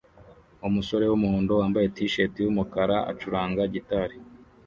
Umusore wumuhondo wambaye t-shirt yumukara acuranga gitari